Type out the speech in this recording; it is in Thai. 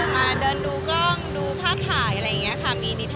มาเดินดูกล้องดูภาพถ่ายอะไรอย่างนี้ค่ะ